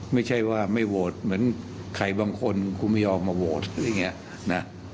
ไม่ใช่ว่าไม่โหวตเหมือนใครบางคนคงไม่ยอมมาโหวตอะไรอย่างนี้นะ